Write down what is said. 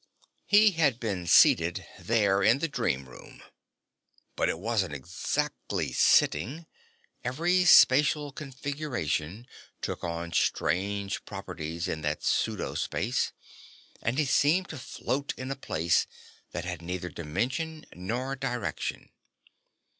He had been seated there in the dream room. But it wasn't exactly sitting; every spatial configuration took on strange properties in that pseudo space, and he seemed to float in a place that had neither dimension nor direction.